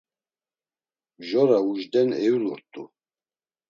Mjora ujden eulurt̆u.